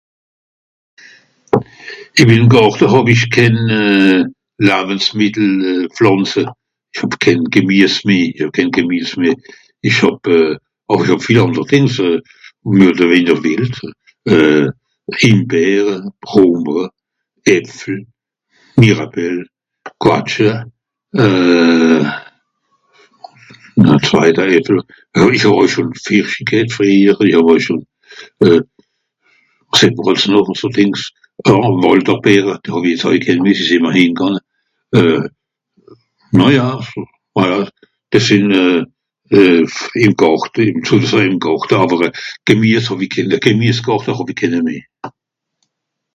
ìn mim Gàrte hàw-ich kén euh... Lawensmìttelpflànze. Ìch hàb kén Gemies meh, i hàb kén Gemies meh. Ìch hàb... àwer ìch hàb viel ànder dìngs euh... (...) Himbeere, (...) Äpfle, Mirabelle, Quatsche, euh... ùn a zweita Äpfel, (...) ghet frìehjer, àwer ìsch schon... euh... wàs het mr àls noch aso dìngs ? Ah Wàlderbeere, die hàw-i jetz àui kén meh sie sìnn mr hingànge. Euh... oh ja, voilà dìs sìnn euh... ìm Gàrte... ìm Gàrte àwer euh... Gemies hàw-i kéne meh Gemiesgàrte hàw-i kéne meh.